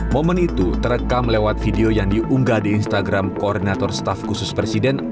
momen itu terekam lewat video yang diunggah di instagram koordinator staff khusus presiden ari nwi payana